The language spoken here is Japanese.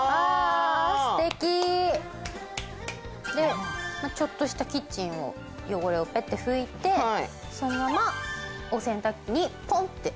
でちょっとしたキッチンを汚れをペッと拭いてそのまま洗濯機にポンって。